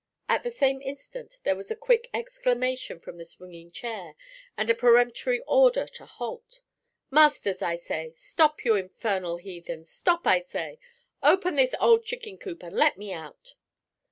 At the same instant there was a quick exclamation from the swinging chair and a peremptory order to halt. 'Masters, I say! Stop, you infernal heathens! Stop, I say! Open this old chicken coop and let me out!'